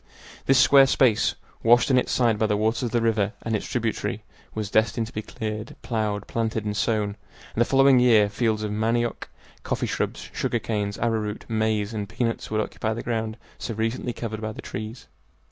This square space, washed on its sides by the waters of the river and its tributary, was destined to be cleared, plowed, planted, and sown, and the following year fields of manioc, coffee shrubs, sugar canes, arrowroot, maize, and peanuts would occupy the ground so recently covered by the trees.